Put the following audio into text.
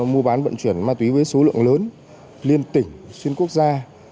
mua bán vận chuyển ma túy với số lượng lớn liên tỉnh xuyên quốc gia